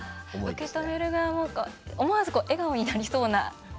受け止める側も思わず笑顔になりそうな。